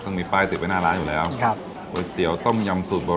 ก๊อดมาค่อยดูให้ว่าเหมือนส่องจิงหรือริ้วบ่